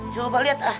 coba lihat ah